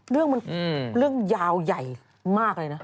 เรื่องมันเรื่องยาวใหญ่มากเลยนะ